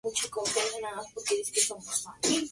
Un símbolo de renacimiento y reconstrucción.